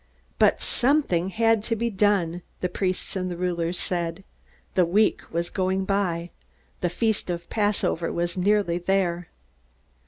But something had to be done, the priests and the rulers said. The week was going by. The Feast of the Passover was nearly there.